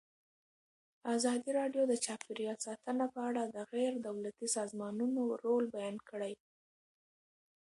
ازادي راډیو د چاپیریال ساتنه په اړه د غیر دولتي سازمانونو رول بیان کړی.